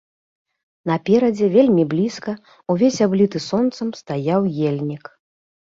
Наперадзе, вельмі блізка, увесь абліты сонцам, стаяў ельнік.